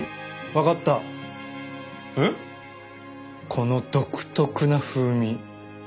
この独特な風味。